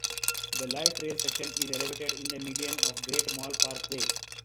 The light rail station is elevated in the median of Great Mall Parkway.